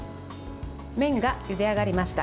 麺がゆで上がりました。